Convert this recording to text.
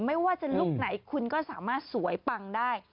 ไม่ว่าจะลุคไหนคุณก็สามารถสวยปังได้